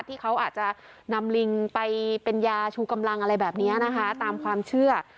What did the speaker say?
ที่เขาอาจจะนำลิงไปเป็นยาชูกำลังอะไรแบบนี้นะคะตามความเชื่อ